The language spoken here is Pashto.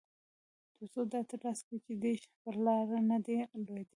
ترڅو ډاډ ترلاسه کړي چې ډیش په لاره نه دی لویدلی